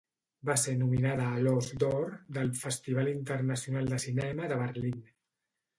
Va ser nominada a l'Ós d'Or del Festival Internacional de Cinema de Berlín.